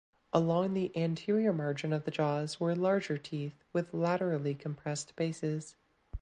Along the anterior margin of the jaws were larger teeth with laterally compressed bases.